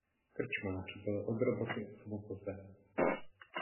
Krčmář byl od roboty osvobozen.